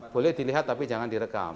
boleh dilihat tapi jangan direkam